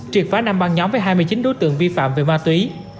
triệt phá năm băng nhóm với hai mươi chín đối tượng vi phạm về ma túy